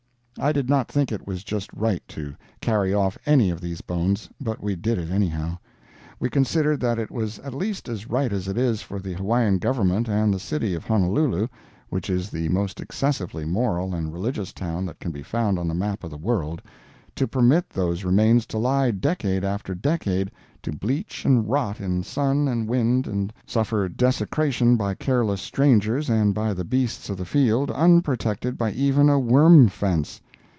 I did not think it was just right to carry off any of these bones, but we did it, anyhow. We considered that it was at least as right as it is for the Hawaiian Government and the city of Honolulu (which is the most excessively moral and religious town that can be found on the map of the world), to permit those remains to lie decade after decade, to bleach and rot in sun and wind and suffer desecration by careless strangers and by the beasts of the field, unprotected by even a worm fence.